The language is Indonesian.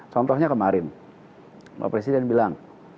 contohnya kemarin pak presiden bilang